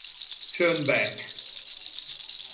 Turn Back